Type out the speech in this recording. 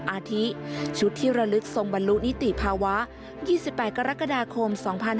อาทิชุดที่ระลึกทรงบรรลุนิติภาวะ๒๘กรกฎาคม๒๕๕๙